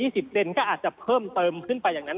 เลนก็อาจจะเพิ่มเติมขึ้นไปอย่างนั้น